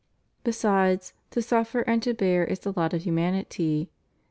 Besides, to suffer and to bear is the lot of humanity.